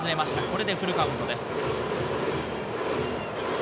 これでフルカウントです。